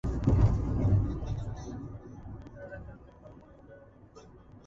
Esta etapa fue definida por Kohlberg como la de "hedonismo ingenuo".